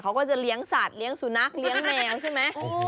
เขาก็จะเลี้ยงสัตว์เลี้ยงสุนัขเลี้ยงแมวใช่ไหม